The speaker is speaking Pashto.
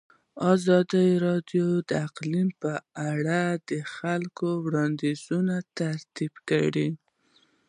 ازادي راډیو د اقلیم په اړه د خلکو وړاندیزونه ترتیب کړي.